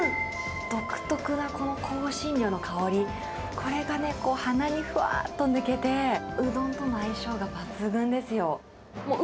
独特なこの香辛料の香り、これがね、鼻にふわっと抜けて、うどんとの相性が抜群ですよ。